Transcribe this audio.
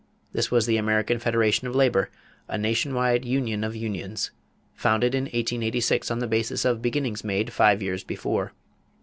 This was the American Federation of Labor, a nation wide union of unions, founded in 1886 on the basis of beginnings made five years before.